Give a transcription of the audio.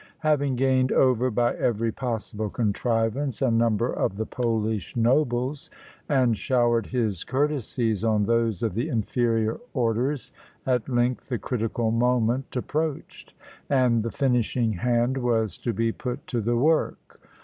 Having gained over by every possible contrivance a number of the Polish nobles, and showered his courtesies on those of the inferior orders, at length the critical moment approached, and the finishing hand was to be put to the work.